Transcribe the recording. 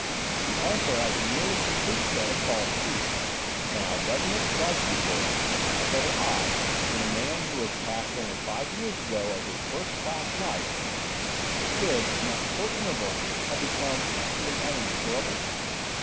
He also had a nearly complete set of false teeth. Now, doesn't it strike you, Jervis, as rather odd that a man who was passed only five years ago as a first class life, should, in that short interval, have become actually uninsurable?"